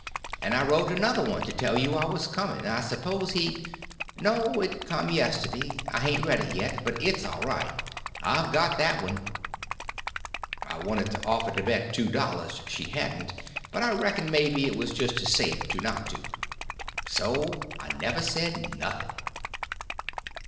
And I wrote another one to tell you I was coming; and I s'pose he—" "No, it come yesterday; I hain't read it yet, but it's all right, I've got that one." I wanted to offer to bet two dollars she hadn't, but I reckoned maybe it was just as safe to not to. So I never said nothing.